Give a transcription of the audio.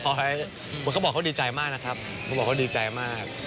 เพราะเขาบอกเขาดีใจมากนะครับเขาบอกเขาดีใจมาก